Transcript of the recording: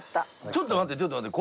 ちょっと待ってちょっと待って。